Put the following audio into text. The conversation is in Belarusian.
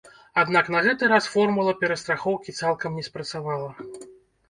Аднак на гэты раз формула перастрахоўкі цалкам не спрацавала.